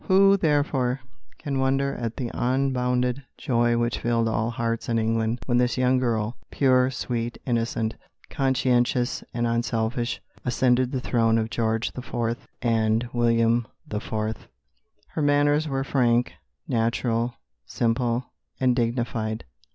Who, therefore, can wonder at the unbounded joy which filled all hearts in England when this young girl, pure, sweet, innocent, conscientious, and unselfish, ascended the throne of George IV. and William IV.? Her manners were frank, natural, simple, and dignified.